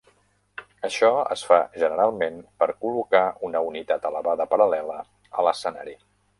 Això es fa generalment per col·locar una unitat elevada paral·lela a l'escenari.